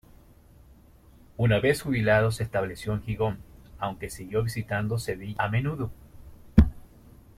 Una vez jubilado se estableció en Gijón, aunque siguió visitando Sevilla a menudo.